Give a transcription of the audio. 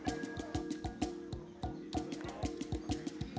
pesona rumah adat ini dikenal sebagai rumahnya para raja